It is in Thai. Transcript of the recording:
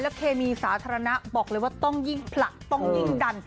เคมีสาธารณะบอกเลยว่าต้องยิ่งผลักต้องยิ่งดัน